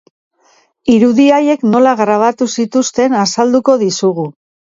Irudi haiek nola grabatu zituzten azalduko dizugu.